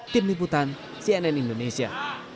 tim liputan cnn indonesia